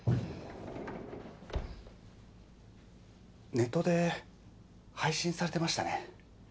ネットで配信されてましたね。